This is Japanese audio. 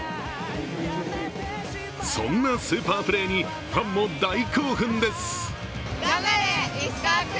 そんなスーパープレーにファンも大興奮です。